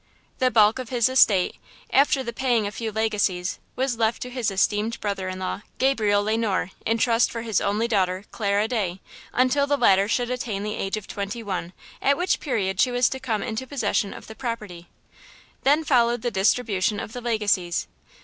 The bulk of his estate, after the paying a few legacies, was left to his esteemed brother in law Gabriel Le Noir, in trust for his only daughter, Clara Day, until the latter should attain the age of twenty one, at which period she was to come into possession of the property. Then followed the distribution of the legacies.